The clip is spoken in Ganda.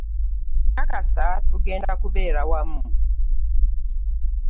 Nkakasa tugenda kubeera wamu.